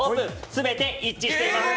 全て一致しています。